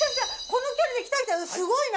この距離で来た来たすごいな。